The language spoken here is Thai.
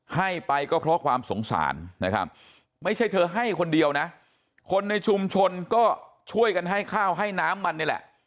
ให้ไปก็เพราะความสงสารนะครับไม่ใช่เธอให้คนเดียวนะคนในชุมชนก็ช่วยกันให้ข้าวให้น้ำมันนี่แหละ